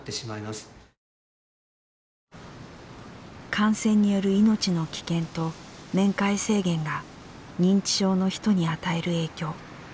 感染による命の危険と面会制限が認知症の人に与える影響。